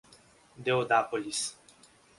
Deodápolis